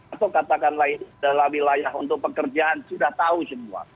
atau katakanlah dalam wilayah untuk pekerjaan sudah tahu semua